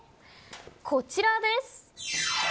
こちらです。